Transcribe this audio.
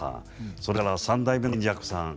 それから三代目の延若さん